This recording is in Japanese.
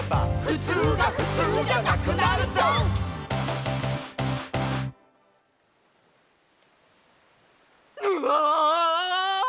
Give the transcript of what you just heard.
「ふつうがふつうじゃなくなるぞ」ぬあ！